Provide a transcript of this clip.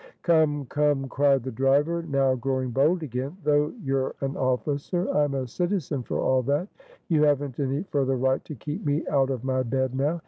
"Come! come!" cried the driver, now growing bold again "though you're an officer, I'm a citizen for all that. You haven't any further right to keep me out of my bed now.